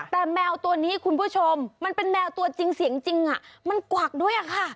แต่แมวตัวนี้คุณผู้ชมมันเป็นแมวตัวจริงเสียงจริงมันกวักด้วยค่ะ